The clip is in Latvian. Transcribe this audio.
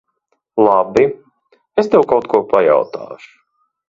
Labi. Es tev kaut ko pajautāšu.